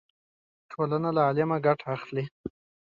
ټولنه له علمه ګټه اخلي.